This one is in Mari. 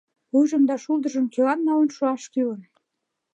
Вуйжым да шулдыржым кӧлан налын шуаш кӱлын?